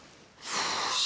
よし。